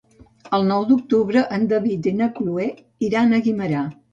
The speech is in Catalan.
El nou d'octubre en David i na Cloè iran a Guimerà.